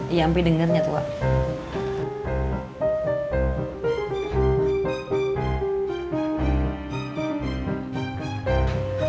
iya mp dengernya tuh